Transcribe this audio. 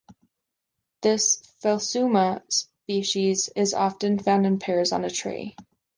This "Phelsuma" species is often found in pairs on a tree.